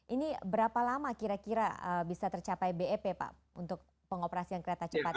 ini berapa lama kira kira bisa tercapai bep pak untuk pengoperasian kereta cepat ini